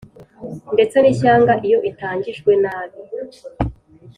ndetse n ishyanga iyo itangijwe nabi